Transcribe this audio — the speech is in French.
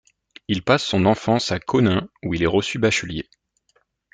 Il passe son enfance à Konin où il est reçu bachelier.